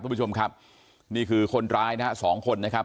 คุณผู้ชมครับนี่คือคนร้ายนะฮะสองคนนะครับ